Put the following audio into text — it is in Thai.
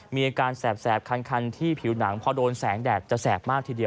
มีอาการแสบคันที่ผิวหนังพอโดนแสงแดดจะแสบมากทีเดียว